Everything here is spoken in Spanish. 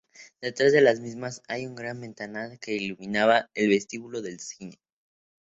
Detrás de las mismas hay un gran ventanal que iluminaba el vestíbulo del cine.